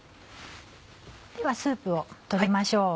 ではスープを取りましょう。